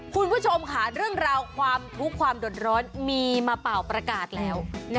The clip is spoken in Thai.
คุณผู้ชมค่ะเรื่องราวความทุกข์ความเดือดร้อนมีมาเป่าประกาศแล้ว